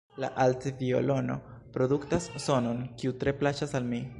La aldviolono produktas sonon, kiu tre plaĉas al mi.